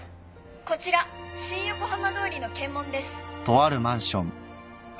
こちら新横浜通りの検問です。